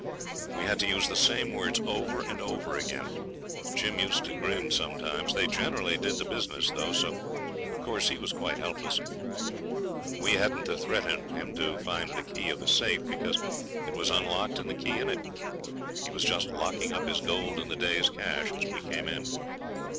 We had to use the same words over and over again. Jim used to grin sometimes. They generally did the business, though, so of course he was quite helpless. We hadn't to threaten him to find the key of the safe, because it was unlocked and the key in it. He was just locking up his gold and the day's cash as we came in.